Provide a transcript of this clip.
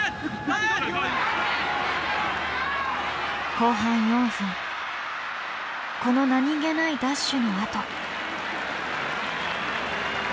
後半４分この何気ないダッシュのあと。